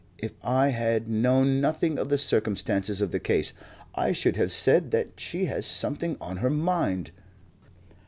If I had known nothing of the circumstances of the case I should have said that she has something on her mind."